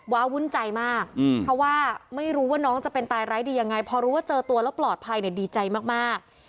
วุ่นใจมากเพราะว่าไม่รู้ว่าน้องจะเป็นตายร้ายดียังไงพอรู้ว่าเจอตัวแล้วปลอดภัยเนี่ยดีใจมาก